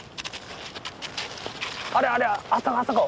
あれあれあそこあそこ！